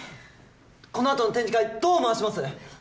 このあとの展示会どう回します？